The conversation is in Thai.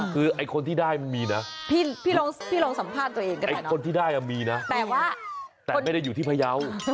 คือไอ้คนที่ได้มีนะไอ้คนที่ได้มีนะแต่ไม่ได้อยู่ที่พยาว